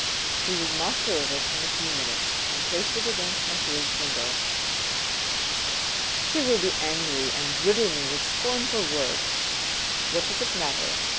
He was master of it in a few minutes, and placed it against Mathilde's window. " She will be angry and riddle me with scornful words ! What does it matter